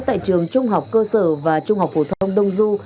tại trường trung học cơ sở và trung học phổ thông đông du